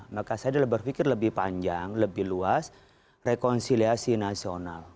maka saya berpikir lebih panjang lebih luas rekonsiliasi nasional